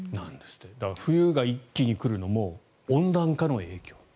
だから冬が一気に来るのも温暖化の影響。